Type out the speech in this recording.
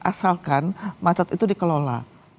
asalkan macet itu dikelola